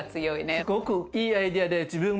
すごくいいアイデアでおっ。